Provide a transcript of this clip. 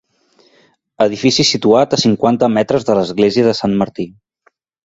Edifici situat a cinquanta metres de l'església de Sant Martí.